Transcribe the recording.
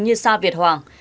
như sa việt hoàng